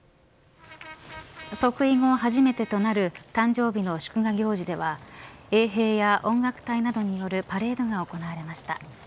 即位後初めてとなる誕生日の祝賀行事では衛兵や音楽隊などによるパレードが行われました。